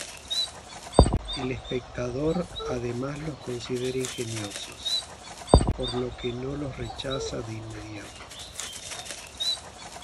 El espectador, además, los considera ingeniosos, por lo que no los rechaza de inmediato.